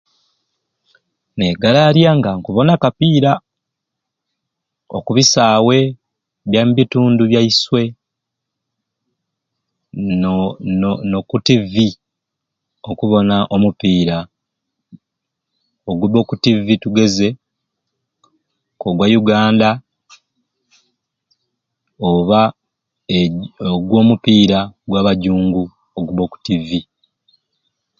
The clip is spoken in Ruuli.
Negalaarya nga nakubona kapiira oku bisaawe bya mu bitundu byaiswe no no no ku ttivi okubona omupiira ogubba oku ttivi tugeze ko ogwa Ugandan oba egi ogw'omupiira gwa bajjungu ogubba oku ttivi.